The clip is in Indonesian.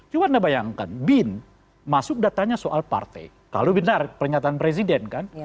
coba anda bayangkan bin masuk datanya soal partai kalau benar pernyataan presiden kan